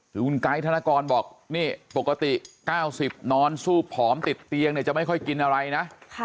คุณกายธนกรบอกปกติ๙๐นอนซูบผอมติดเตียงจะไม่ค่อยกินอะไรนะ